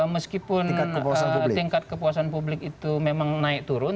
meskipun tingkat kepuasan publik itu memang naik turun